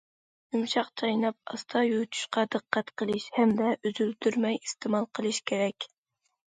يۇمشاق چايناپ، ئاستا يۇتۇشقا دىققەت قىلىش ھەمدە ئۈزۈلدۈرمەي ئىستېمال قىلىش كېرەك.